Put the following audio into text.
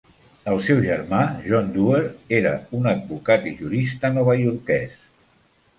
El seu germà, John Duer, era un advocat i jurista novaiorquès.